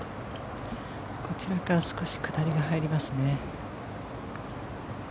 こちらから少し下りが入りますね。